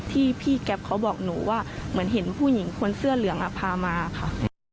ที่พี่แก๊ปเขาบอกหนูว่าเหมือนเห็นผู้หญิงคนเสื้อเหลืองพามาค่ะ